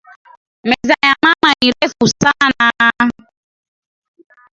Meza ya mama ni refu sana